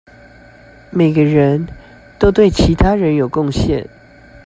每個人都對其他人有貢獻